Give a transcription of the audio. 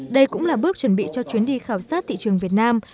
đây cũng là bước chuẩn bị cho chuyến đi khảo sát thị trường việt nam